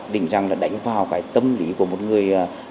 đánh vào cái tâm lý của một người